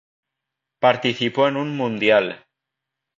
Participó en un Mundial.